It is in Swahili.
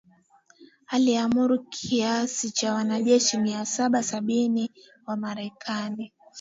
aliamuru kiasi cha wanajeshi mia saba hamsini wa Marekani